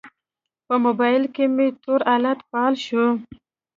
په موبایل کې مې تور حالت فعال شو.